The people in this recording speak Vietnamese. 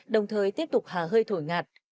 đồng thời tiếp tục hà hơi thổi ngạt